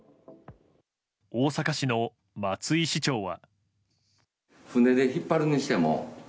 大阪市の松井市長は。